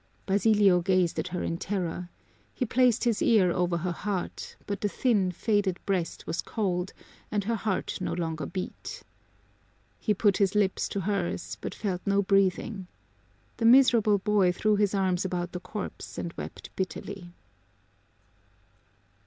Basilio gazed at her in terror. He placed his ear over her heart, but the thin, faded breast was cold, and her heart no longer beat. He put his lips to hers, but felt no breathing. The miserable boy threw his arms about the corpse and wept bitterly.